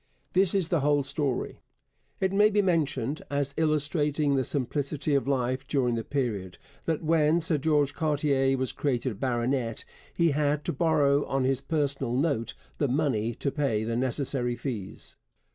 This is the whole story. It may be mentioned, as illustrating the simplicity of life during the period, that when Sir George Cartier was created a baronet, he had to borrow on his personal note the money to pay the necessary fees.